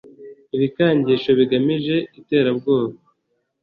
ibikangisho bigamije iterabwoba